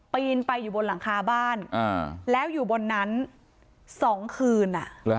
นไปอยู่บนหลังคาบ้านแล้วอยู่บนนั้น๒คืน